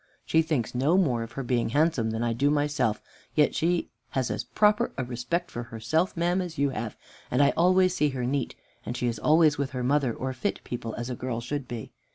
She thinks no more of her being handsome than I do myself; yet she has as proper a respect for herself, ma'am, as you have; and I always see her neat, and she is always with her mother, or fit people, as a girl should be.